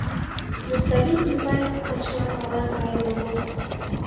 Муставий нимогай качылан марлан каен огыл.